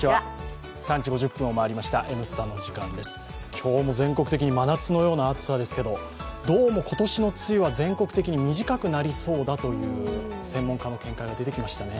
今日も全国的に真夏のような暑さですけどどうも今年の梅雨は全国的に短くなりそうだという専門家の見解が出てきましたね。